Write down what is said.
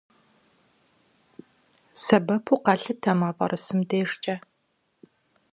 Сэбэпу къалъытэ мафӏэрысым дежкӏэ.